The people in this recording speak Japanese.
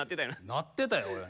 なってたよおい。